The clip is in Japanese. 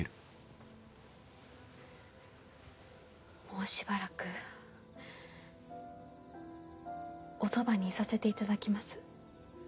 もうしばらくおそばにいさせていただきます。